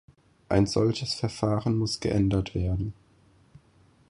Ein solches Verfahren muss geändert werden!